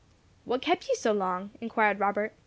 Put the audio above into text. "What kept you so long?" inquired Robert.